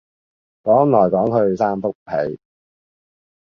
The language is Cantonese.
講來講去三幅被